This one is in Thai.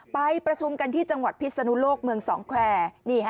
ไปประชุมกันที่จังหวัดพิศนุโลกเมืองสองแควร์